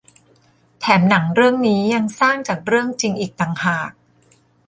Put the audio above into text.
แถมหนังเรื่องนี้ยังสร้างจากเรื่องจริงอีกต่างหาก